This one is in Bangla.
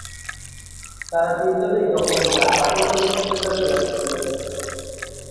তারা তিনজনই তখন "দ্য পার্টি" চলচ্চিত্রের কাজে ব্যস্ত ছিলেন।